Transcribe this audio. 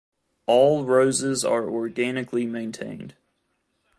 All roses are organically maintained.